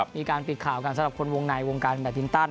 มีการปิดข่าวกันสำหรับคนวงในวงการแบตมินตัน